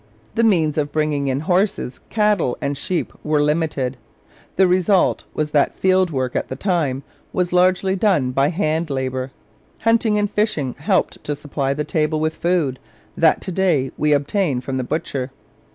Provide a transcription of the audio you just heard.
The means of bringing in horses, cattle, and sheep were limited. The result was that field work at that time was largely done by hand labour. Hunting and fishing helped to supply the table with the food that to day we obtain from the butcher.